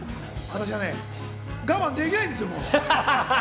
私はもう、我慢できないんですよ。